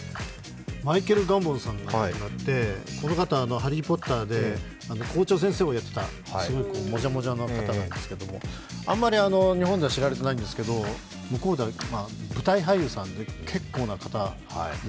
マイケル・ガンボンさんが亡くなってこの方、「ハリー・ポッター」で校長先生をやっていたもじゃもじゃの方なんですけど、あまり日本では知られていないんですけど向こうでは舞台俳優さんで、結構な方で。